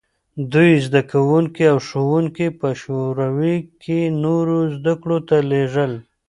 دوی زدکوونکي او ښوونکي په شوروي کې نورو زدکړو ته لېږل.